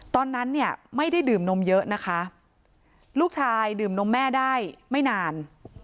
ตอนนั้นเนี่ยไม่ได้ดื่มนมเยอะนะคะลูกชายดื่มนมแม่ได้ไม่นาน